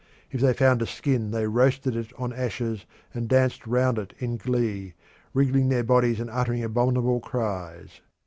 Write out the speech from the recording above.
If they found a skin they roasted it on ashes and danced round it in glee, wriggling their bodies and uttering abominable cries.